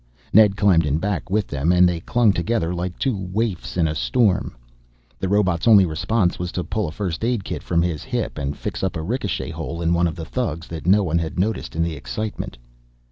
Ned climbed in back with them and they clung together like two waifs in a storm. The robot's only response was to pull a first aid kit from his hip and fix up a ricochet hole in one of the thugs that no one had noticed in the excitement.